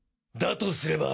とすれば